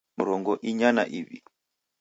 Mrongo inya na iw'i